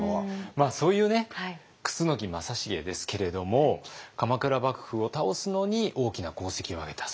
そういうね楠木正成ですけれども鎌倉幕府を倒すのに大きな功績を挙げた。